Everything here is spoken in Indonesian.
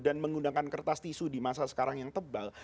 dan menggunakan kertas tisu di masa sekarang yang tebal